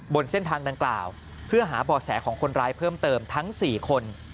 บนเส้นทางดังกล่าวเพื่อหาบ่อแสของคนร้ายเพิ่มเติมทั้ง๔คน